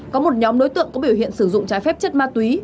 có một nhóm đối tượng có biểu hiện sử dụng trái phép chất ma túy